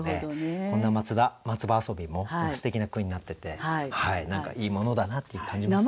こんな松葉遊びもすてきな句になってて何かいいものだなって感じますよね。